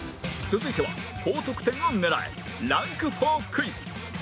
続いては高得点を狙えランク４クイズ